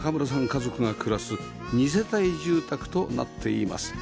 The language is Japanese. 家族が暮らす２世帯住宅となっています